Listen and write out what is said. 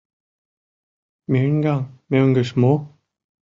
— Мӧҥган-мӧҥгыш мо?